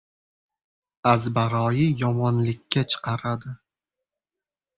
azbaroyi yomonlikka chiqaradi.